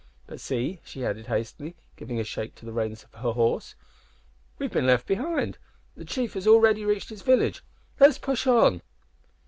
"But see," she added hastily, giving a shake to the reins of her horse, "we have been left behind. The chief has already reached his village. Let us push on."